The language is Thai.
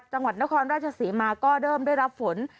จังหวัดนครราชศรีมาก็เริ่มได้รับฝน